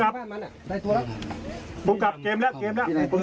หมอบลงหมอบลง